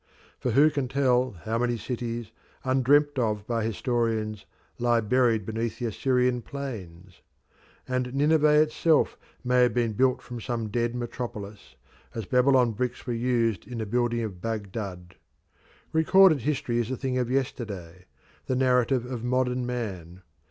For who can tell how many cities, undreamt of by historians, lie buried beneath the Assyrian plains? And Nineveh itself may have been built from some dead metropolis, as Babylon bricks were used in the building of Baghdad. Recorded history is a thing of yesterday the narrative of modern man.